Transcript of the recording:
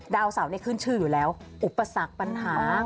ดาวเสาร์เนี่ยขึ้นชื่ออยู่แล้วอุปสรรคปัญหา